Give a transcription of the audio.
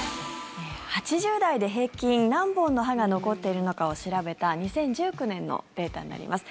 ８０代で平均何本の歯が残っているのか調べた２０１９年のデータになります。